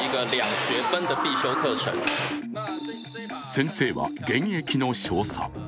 先生は、現役の少佐。